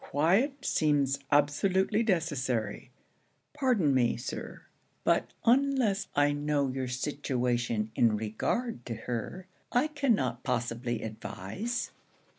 'Quiet seems absolutely necessary. Pardon me, Sir; but unless I know your situation in regard to her, I cannot possibly advise.'